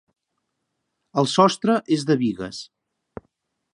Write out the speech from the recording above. El sostre és de bigues.